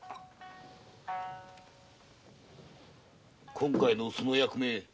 今回のその役目